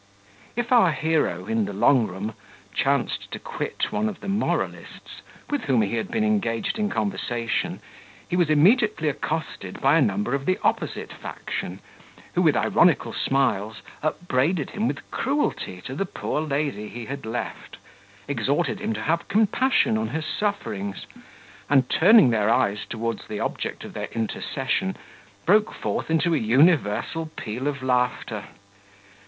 If our hero, in the long room, chanced to quit one of the moralists, with whom he had been engaged in conversation, he was immediately accosted by a number of the opposite faction, who, with ironical smiles, upbraided him with cruelty to the poor lady he had left, exhorted him to have compassion on her sufferings; and, turning their eyes towards the object of their intercession, broke forth into a universal peal of laughter.